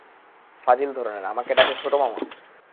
ফাজিল ধরনের, আমাকে ডাকে ছোট মামা?